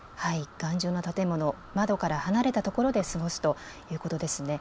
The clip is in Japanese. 頑丈な建物、窓から離れた所で過ごすということですね。